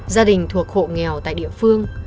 gia đình thuộc hộ nghèo tại địa phương